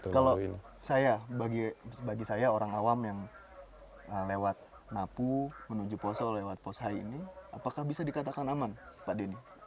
kalau bagi saya orang awam yang lewat napu menuju poso lewat pos hai ini apakah bisa dikatakan aman pak denny